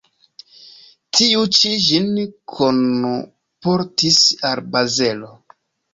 Tiu ĉi ĝin kunportis al Bazelo.